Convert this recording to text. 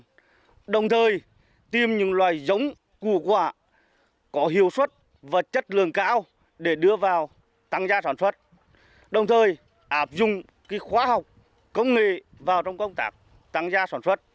trung đoàn luôn luôn tìm những loài giống của quả có hiệu suất và chất lượng cao để đưa vào tăng gia sản xuất đồng thời ạp dùng khóa học công nghệ vào trong công tác tăng gia sản xuất